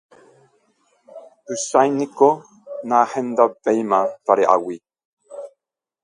Pychãi niko nahendavéima vare'águi.